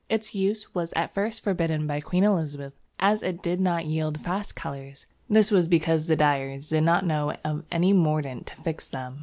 Its use was at first forbidden by Queen Elizabeth as it did not yield fast colours; this was because the dyers of those times did not know of any mordant to fix them.